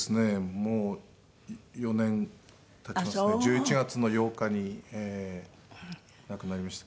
もう４年経ちますけど１１月の８日にええ亡くなりました。